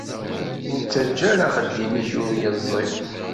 Ur ttaǧǧa ara axeddim-ik ur yeẓẓi.